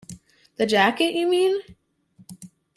The jacket, you mean?